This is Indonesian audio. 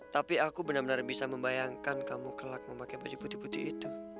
tapi aku benar benar bisa membayangkan kamu kelak memakai baju putih putih itu